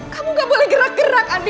kamu gak boleh gerak gerak andi